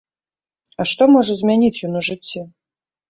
А што можа змяніць ён у жыцці?